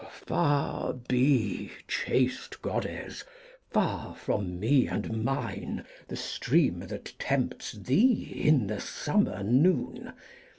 •' Far be, chaste goddess, far from me and mine The stream that tempts thee in the summer noon